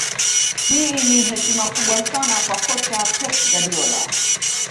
Hii ni heshima kubwa sana kwa kocha Pep Guardiola